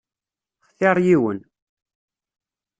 Xtiṛ yiwen.